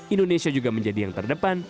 indonesia juga menjadi yang terdepan